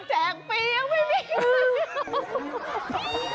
แจกฟรียังไม่มีใครเอา